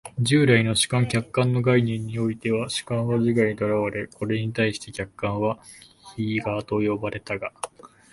従来の主観・客観の概念においては、主観は自我といわれ、これに対して客観は非我と呼ばれたが、